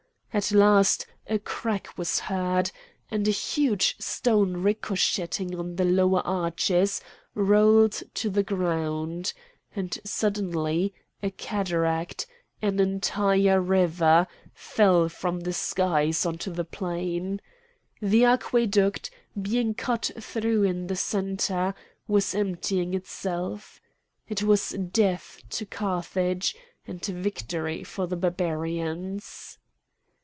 At last a crack was heard, and a huge stone ricocheting on the lower arches rolled to the ground,—and suddenly a cataract, an entire river, fell from the skies onto the plain. The aqueduct, being cut through in the centre, was emptying itself. It was death to Carthage and victory for the Barbarians.